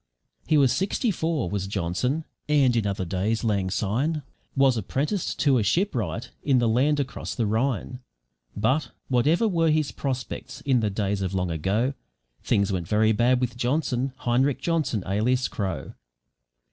He was sixty four was Johnson, and in other days, lang syne, was apprenticed to a ship wright in the land across the Rhine; but, whatever were his prospects in the days of long ago, things went very bad with Johnson Heinrich Johnson (alias Crow).